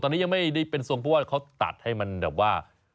ตอนนี้ยังไม่ได้เป็นทรงเพราะว่าเขาตัดให้มันแบบว่า